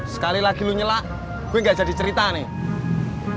sekali lagi lo nyela gue gak jadi cerita nih